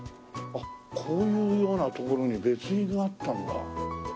あっこういうような所に別院があったんだ。